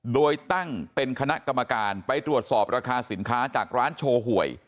โดยตั้งเป็นคณะกรรมการไปตรวจสอบราคาสินค้าจากร้านโชว์หวย